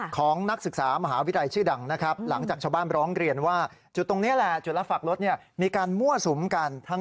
ของนักศึกษามหาวิทยาลัยชื่อดั่ง